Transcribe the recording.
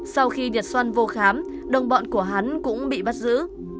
sau khi nhật xoăn vô khám đồng bọn của hắn cũng bị bắt giữ